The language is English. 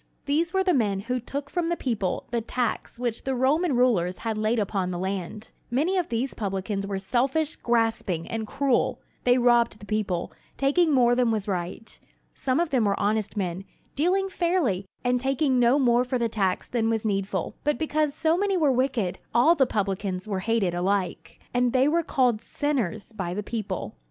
These were the men who took from the people the tax which the Roman rulers had laid upon the land. Many of these publicans were selfish, grasping, and cruel. They robbed the people, taking more than was right. Some of them were honest men, dealing fairly, and taking no more for the tax than was needful; but because so many were wicked, all the publicans were hated alike; and they were called "sinners" by the people.